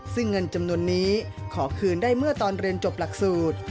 ซึ่งเงินจำนวนนี้ขอคืนได้เมื่อตอนเรียนจบหลักสูตร